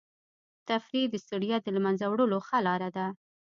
تفریح د ستړیا د له منځه وړلو ښه لاره ده.